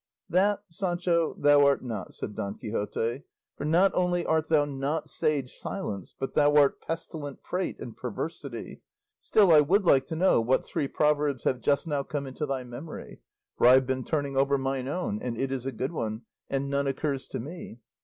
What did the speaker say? '" "That, Sancho, thou art not," said Don Quixote; "for not only art thou not sage silence, but thou art pestilent prate and perversity; still I would like to know what three proverbs have just now come into thy memory, for I have been turning over mine own and it is a good one and none occurs to me."